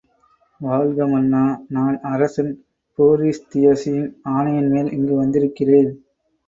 வாழ்க மன்னா நான் அரசன் பூரிஸ்தியஸின் ஆணையின்மேல் இங்கு வந்திருக்கிறேன்.